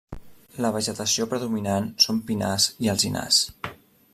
La vegetació predominant són pinars i alzinars.